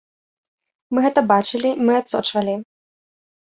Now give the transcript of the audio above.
Мы гэта бачылі, мы адсочвалі.